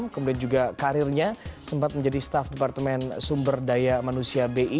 kemudian juga karirnya sempat menjadi staff departemen sumber daya manusia bi